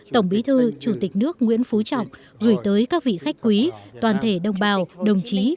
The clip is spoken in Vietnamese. tổng bí thư chủ tịch nước nguyễn phú trọng gửi tới các vị khách quý toàn thể đồng bào đồng chí